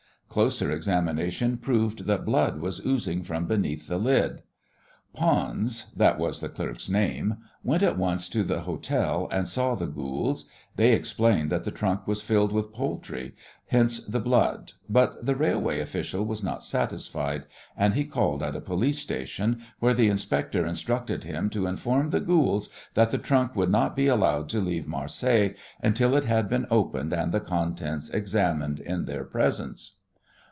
Closer examination proved that blood was oozing from beneath the lid. Pons that was the clerk's name went at once to the hotel and saw the Goolds. They explained that the trunk was filled with poultry, hence the blood, but the railway official was not satisfied, and he called at a police station, where the inspector instructed him to inform the Goolds that the trunk would not be allowed to leave Marseilles until it had been opened and the contents examined in their presence.